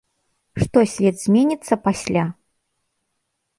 Што свет зменіцца пасля?